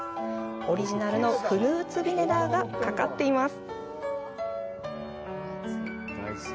オリジナルのフルーツビネガーがかかっています。